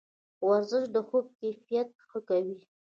ورزش د خوب کیفیت ښه کوي.